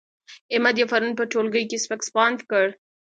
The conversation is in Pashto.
احمد يې پرون په ټولګي کې سپک سپاند کړ.